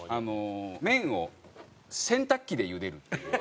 麺を洗濯機でゆでるっていう。